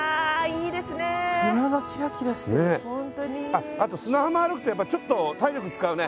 あっあと砂浜歩くとやっぱちょっと体力使うね。